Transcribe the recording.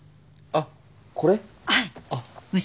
あっ。